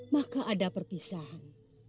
maka ada perpisahan